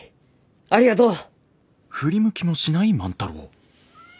ありがとう！